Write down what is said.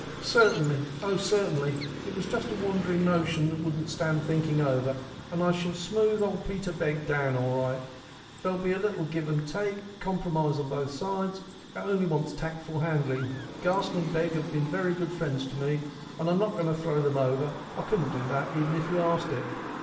"Certainly; oh, certainly! It was just a wandering notion that wouldn't stand thinking over. And I shall smooth old Peter Begg down all right. There will be a little give and take compromise on both sides. It only wants tactful handling. Garson & Begg have been very good friends to me, and I'm not going to throw them over. I couldn't do it, even if you asked it."